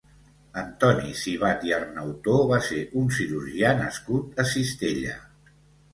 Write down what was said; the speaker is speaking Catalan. Antoni Civat i Arnautó va ser un cirurgià nascut a Cistella.